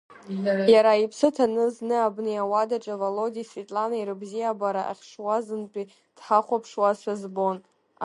Иара иԥсы ҭаны, зны абни ауадаҿы Володиеи Светланеи рыбзиабара ахьшуазынтәи дҳа-хәаԥшуазшәа збон.